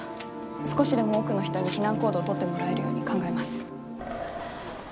少しでも多くの人に避難行動を取ってもらえるように考えます。